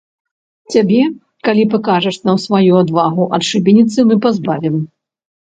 Цябе, калі пакажаш нам сваю адвагу, ад шыбеніцы мы пазбавім!